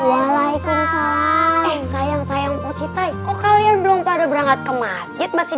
waalaikumsalam sayang sayang positif kok kalian belum pada berangkat ke masjid masih